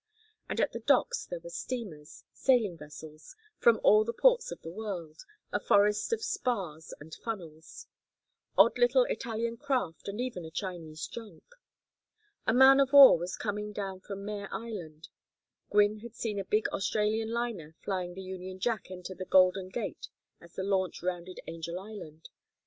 And at the docks there were steamers, sailing vessels, from all the ports of the world, a forest of spars and funnels; odd little Italian craft and even a Chinese junk. A man of war was coming down from Mare Island. Gwynne had seen a big Australian liner flying the Union Jack enter the Golden Gate as the launch rounded Angel Island.